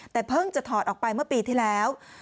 แต่เพิ่งจะถอดออกไปเมื่อปีที่แล้ว